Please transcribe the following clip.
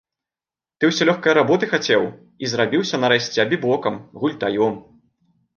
Ты ўсё лёгкае работы хацеў і зрабіўся нарэшце абібокам, гультаём.